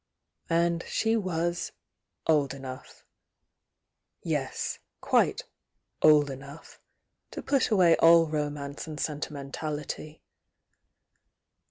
And she was "old enough"— yes, quite "old enough" to put away all romance and sentimentality.